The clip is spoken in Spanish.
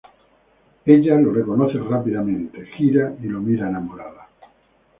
Ella de inmediato lo reconoce, gira y lo mira enamorada.